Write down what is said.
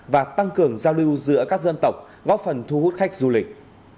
và tăng cường giao lưu giữa các dân tộc góp phần thu hút khách du lịch